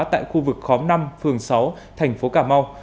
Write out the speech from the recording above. tại khu vực khóm năm phường sáu thành phố cà mau